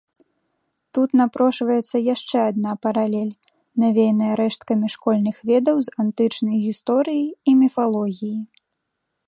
Тут напрошваецца яшчэ адна паралель, навеяная рэшткамі школьных ведаў з антычнай гісторыі і міфалогіі.